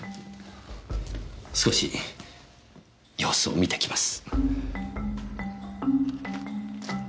少し様子を見てきます。